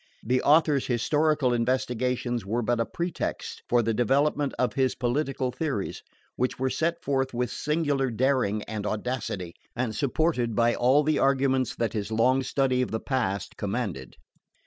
The author's historical investigations were but a pretext for the development of his political theories, which were set forth with singular daring and audacity, and supported by all the arguments that his long study of the past commanded.